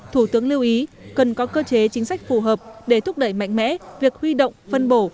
thủ tướng lưu ý cần có cơ chế chính sách phù hợp để thúc đẩy mạnh mẽ việc huy động phân bổ